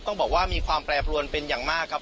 ต้องบอกว่ามีความแปรปรวนเป็นอย่างมากครับ